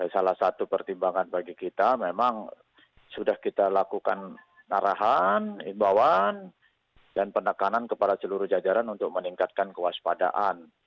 salah satu pertimbangan bagi kita memang sudah kita lakukan arahan imbauan dan penekanan kepada seluruh jajaran untuk meningkatkan kewaspadaan